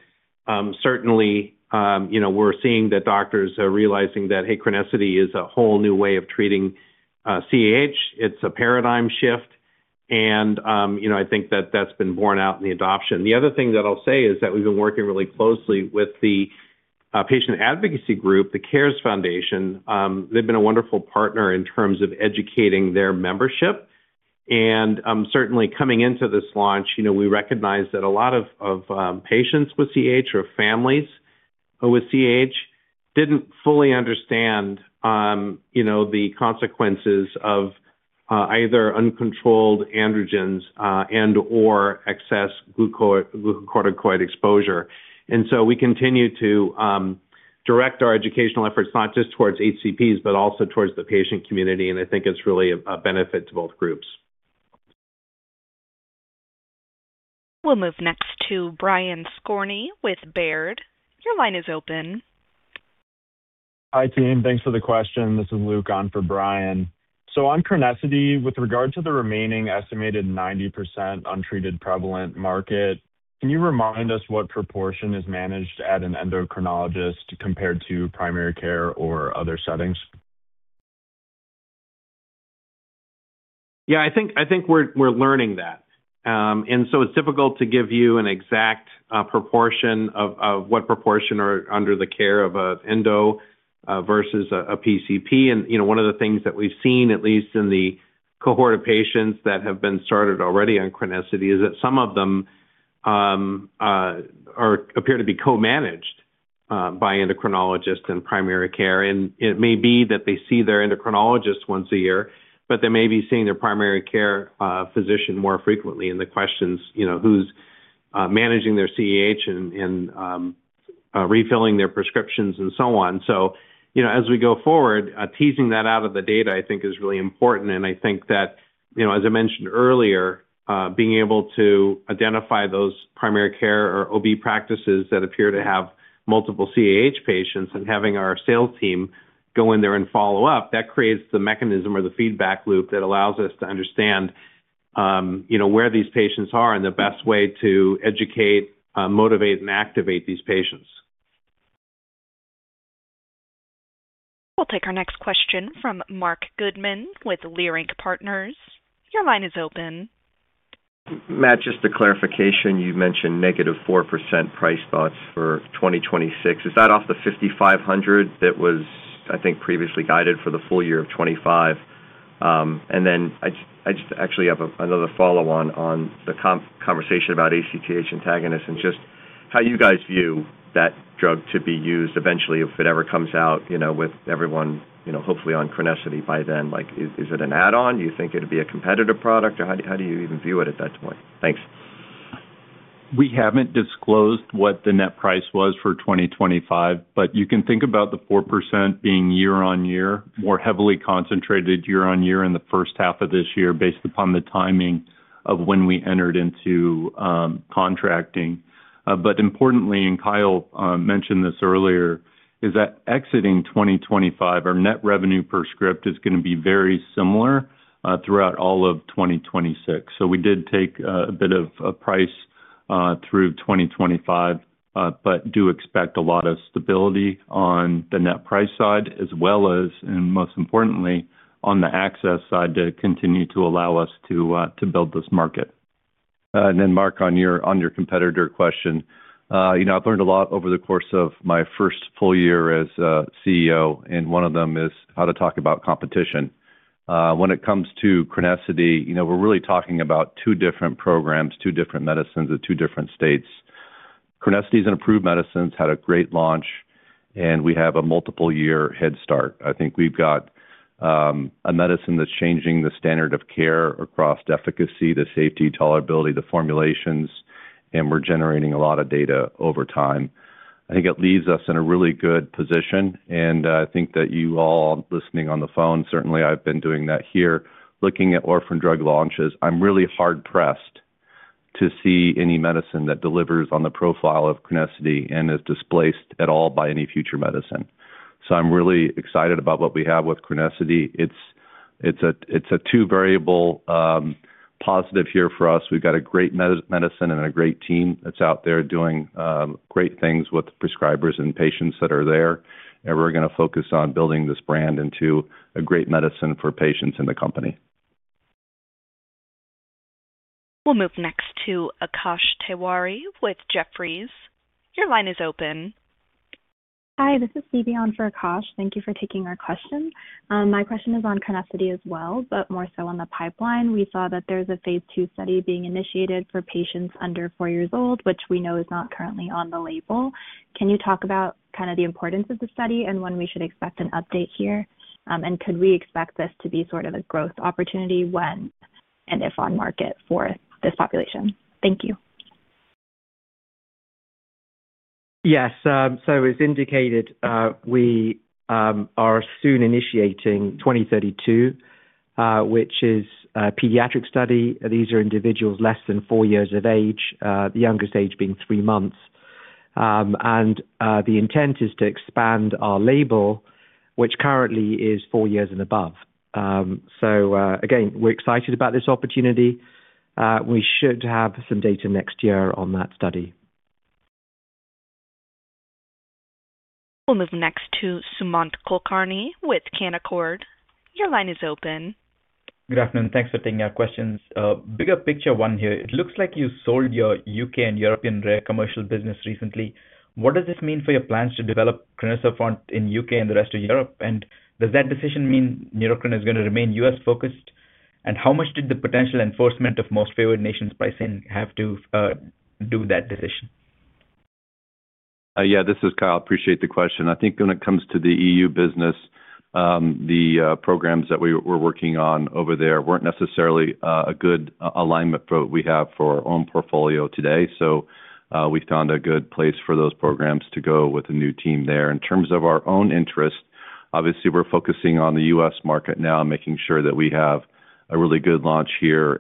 certainly, we're seeing that doctors are realizing that, hey, CRENESSITY is a whole new way of treating CAH. It's a paradigm shift. I think that that's been borne out in the adoption. The other thing that I'll say is that we've been working really closely with the patient advocacy group, the CARES Foundation. They've been a wonderful partner in terms of educating their membership. Certainly, coming into this launch, we recognize that a lot of patients with CAH or families with CAH didn't fully understand the consequences of either uncontrolled androgens and/or excess glucocorticoid exposure. So we continue to direct our educational efforts not just towards HCPs but also towards the patient community. I think it's really a benefit to both groups. We'll move next to Brian Skorney with Baird. Your line is open. Hi, team. Thanks for the question. This is Luke on for Brian. So on CRENESSITY, with regard to the remaining estimated 90% untreated prevalent market, can you remind us what proportion is managed at an endocrinologist compared to primary care or other settings? Yeah, I think we're learning that. And so it's difficult to give you an exact proportion of what proportion are under the care of an endo versus a PCP. And one of the things that we've seen, at least in the cohort of patients that have been started already on CRENESSITY, is that some of them appear to be co-managed by endocrinologists and primary care. And it may be that they see their endocrinologist once a year, but they may be seeing their primary care physician more frequently. And the question's who's managing their CAH and refilling their prescriptions and so on. So as we go forward, teasing that out of the data, I think, is really important. I think that, as I mentioned earlier, being able to identify those primary care or OB practices that appear to have multiple CAH patients and having our sales team go in there and follow up, that creates the mechanism or the feedback loop that allows us to understand where these patients are and the best way to educate, motivate, and activate these patients. We'll take our next question from Marc Goodman with Leerink Partners. Your line is open. Matt, just a clarification. You mentioned -4% price thoughts for 2026. Is that off the 5,500 that was, I think, previously guided for the full year of 2025? And then I just actually have another follow-on on the conversation about ACTH antagonists and just how you guys view that drug to be used eventually, if it ever comes out with everyone, hopefully, on CRENESSITY by then. Is it an add-on? Do you think it'd be a competitive product, or how do you even view it at that point? Thanks. We haven't disclosed what the net price was for 2025, but you can think about the 4% being year-on-year, more heavily concentrated year-on-year in the first half of this year based upon the timing of when we entered into contracting. But importantly, and Kyle mentioned this earlier, is that exiting 2025, our net revenue per script is going to be very similar throughout all of 2026. So we did take a bit of price through 2025 but do expect a lot of stability on the net price side as well as, and most importantly, on the access side to continue to allow us to build this market. Then, Marc, on your competitor question, I've learned a lot over the course of my first full year as CEO, and one of them is how to talk about competition. When it comes to CRENESSITY, we're really talking about two different programs, two different medicines at two different stages. CRENESSITY, an approved medicine, had a great launch, and we have a multiple-year head start. I think we've got a medicine that's changing the standard of care across efficacy, the safety, tolerability, the formulations, and we're generating a lot of data over time. I think it leaves us in a really good position. And I think that you all listening on the phone certainly, I've been doing that here, looking at orphan drug launches. I'm really hard-pressed to see any medicine that delivers on the profile of CRENESSITY and is displaced at all by any future medicine. I'm really excited about what we have with CRENESSITY. It's a two-variable positive here for us. We've got a great medicine and a great team that's out there doing great things with prescribers and patients that are there. We're going to focus on building this brand into a great medicine for patients and the company. We'll move next to Akash Tewari with Jefferies. Your line is open. Hi, this is Stevie on for Akash. Thank you for taking our question. My question is on CRENESSITY as well, but more so on the pipeline. We saw that there's a phase II study being initiated for patients under four years old, which we know is not currently on the label. Can you talk about kind of the importance of the study and when we should expect an update here? And could we expect this to be sort of a growth opportunity when and if on market for this population? Thank you. Yes. So as indicated, we are soon initiating 2032, which is a pediatric study. These are individuals less than four years of age, the youngest age being three months. The intent is to expand our label, which currently is four years and above. So again, we're excited about this opportunity. We should have some data next year on that study. We'll move next to Sumant Kulkarni with Canaccord. Your line is open. Good afternoon. Thanks for taking our questions. Bigger picture one here. It looks like you sold your U.K. and European rare commercial business recently. What does this mean for your plans to develop crinecerfont in U.K. and the rest of Europe? And does that decision mean Neurocrine is going to remain U.S.-focused? And how much did the potential enforcement of Most Favored Nations pricing have to do that decision? Yeah, this is Kyle. Appreciate the question. I think when it comes to the EU business, the programs that we were working on over there weren't necessarily a good alignment for what we have for our own portfolio today. So we found a good place for those programs to go with a new team there. In terms of our own interest, obviously, we're focusing on the U.S. market now, making sure that we have a really good launch here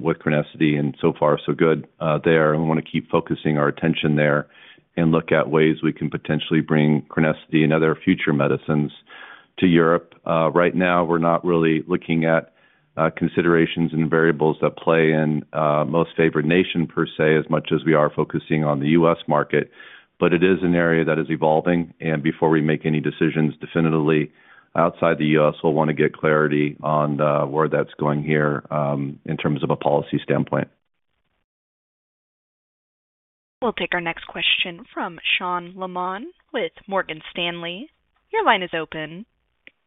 with CRENESSITY. And so far, so good there. And we want to keep focusing our attention there and look at ways we can potentially bring CRENESSITY and other future medicines to Europe. Right now, we're not really looking at considerations and variables that play in Most Favored Nation, per se, as much as we are focusing on the U.S. market. But it is an area that is evolving. Before we make any decisions definitively outside the U.S., we'll want to get clarity on where that's going here in terms of a policy standpoint. We'll take our next question from Sean Laaman with Morgan Stanley. Your line is open.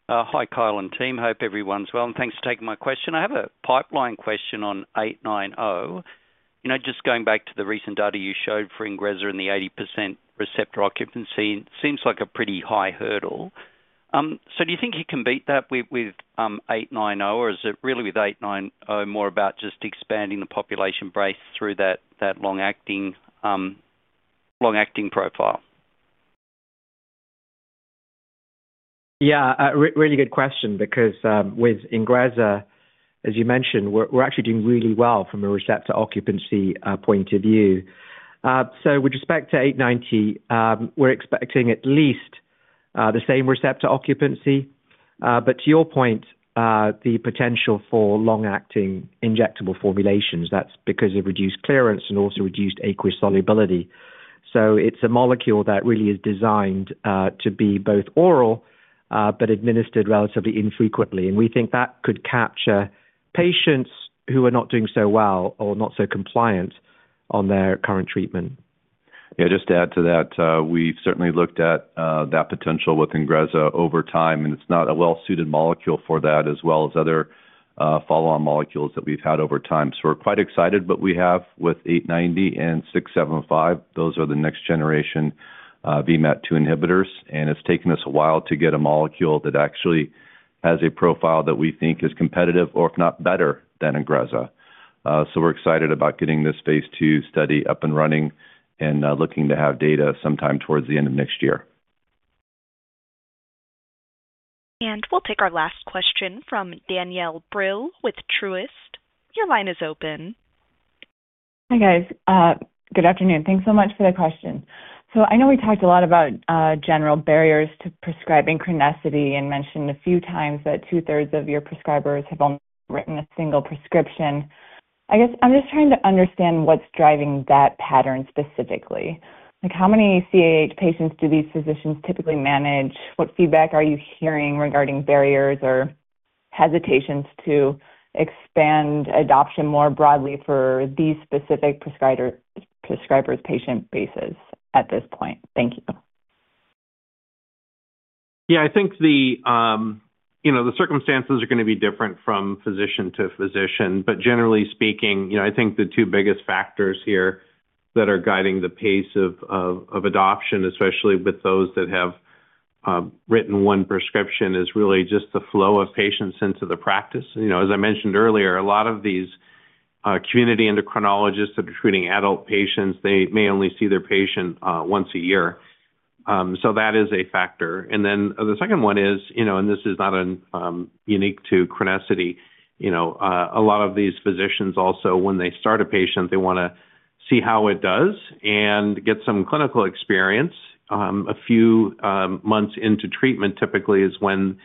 Hi, Kyle and team. Hope everyone's well. Thanks for taking my question. I have a pipeline question on 890. Just going back to the recent data you showed for INGREZZA and the 80% receptor occupancy, it seems like a pretty high hurdle. Do you think you can beat that with 890, or is it really with 890 more about just expanding the population base through that long-acting profile? Yeah, really good question because with INGREZZA, as you mentioned, we're actually doing really well from a receptor occupancy point of view. So with respect to 890, we're expecting at least the same receptor occupancy. But to your point, the potential for long-acting injectable formulations, that's because of reduced clearance and also reduced aqueous solubility. So it's a molecule that really is designed to be both oral but administered relatively infrequently. And we think that could capture patients who are not doing so well or not so compliant on their current treatment. Yeah, just to add to that, we've certainly looked at that potential with INGREZZA over time. And it's not a well-suited molecule for that as well as other follow-on molecules that we've had over time. So we're quite excited. But we have with 890 and 675, those are the next-generation VMAT2 inhibitors. And it's taken us a while to get a molecule that actually has a profile that we think is competitive or, if not, better than INGREZZA. So we're excited about getting this phase II study up and running and looking to have data sometime towards the end of next year. We'll take our last question from Danielle Brill with Truist. Your line is open. Hi, guys. Good afternoon. Thanks so much for the question. So I know we talked a lot about general barriers to prescribing CRENESSITY and mentioned a few times that 2/3 of your prescribers have only written a single prescription. I guess I'm just trying to understand what's driving that pattern specifically. How many CAH patients do these physicians typically manage? What feedback are you hearing regarding barriers or hesitations to expand adoption more broadly for these specific prescribers' patient bases at this point? Thank you. Yeah, I think the circumstances are going to be different from physician to physician. But generally speaking, I think the two biggest factors here that are guiding the pace of adoption, especially with those that have written one prescription, is really just the flow of patients into the practice. As I mentioned earlier, a lot of these community endocrinologists that are treating adult patients, they may only see their patient once a year. So that is a factor. And then the second one is, and this is not unique to CRENESSITY, a lot of these physicians also, when they start a patient, they want to see how it does and get some clinical experience. A few months into treatment, typically, is when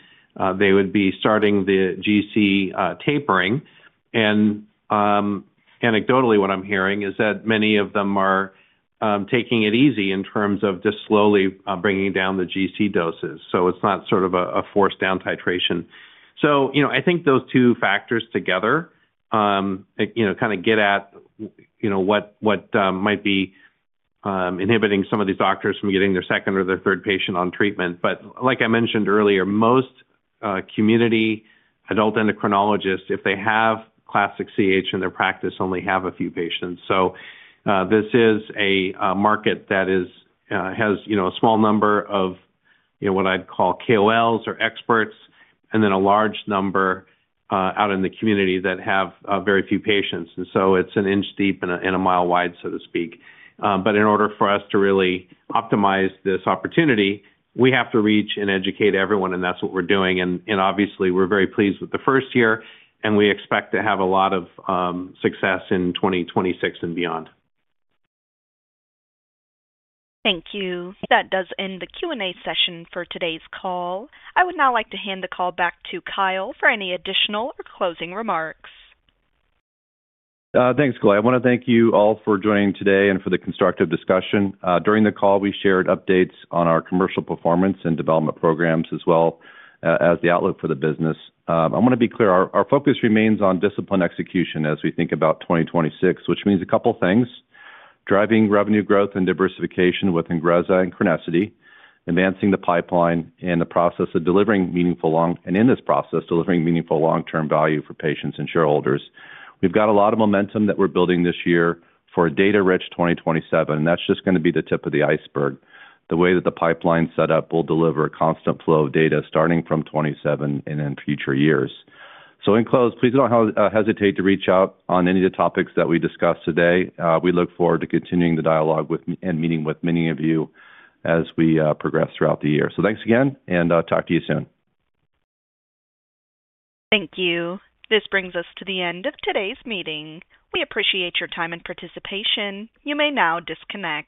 they would be starting the GC tapering. Anecdotally, what I'm hearing is that many of them are taking it easy in terms of just slowly bringing down the GC doses. So it's not sort of a forced down titration. So I think those two factors together kind of get at what might be inhibiting some of these doctors from getting their second or their third patient on treatment. But like I mentioned earlier, most community adult endocrinologists, if they have classic CAH in their practice, only have a few patients. So this is a market that has a small number of what I'd call KOLs or experts and then a large number out in the community that have very few patients. And so it's an inch deep and a mile wide, so to speak. But in order for us to really optimize this opportunity, we have to reach and educate everyone. And that's what we're doing. Obviously, we're very pleased with the first year. We expect to have a lot of success in 2026 and beyond. Thank you. That does end the Q&A session for today's call. I would now like to hand the call back to Kyle for any additional or closing remarks. Thanks, Clay. I want to thank you all for joining today and for the constructive discussion. During the call, we shared updates on our commercial performance and development programs as well as the outlook for the business. I want to be clear. Our focus remains on disciplined execution as we think about 2026, which means a couple of things: driving revenue growth and diversification with INGREZZA and CRENESSITY, advancing the pipeline in the process of delivering meaningful long and in this process, delivering meaningful long-term value for patients and shareholders. We've got a lot of momentum that we're building this year for a data-rich 2027. That's just going to be the tip of the iceberg. The way that the pipeline's set up will deliver a constant flow of data starting from 2027 and in future years. So, in closing, please don't hesitate to reach out on any of the topics that we discussed today. We look forward to continuing the dialogue and meeting with many of you as we progress throughout the year. Thanks again, and talk to you soon. Thank you. This brings us to the end of today's meeting. We appreciate your time and participation. You may now disconnect.